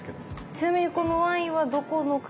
ちなみにこのワインはどこの国の？